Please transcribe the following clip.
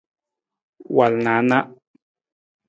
Wal na a na.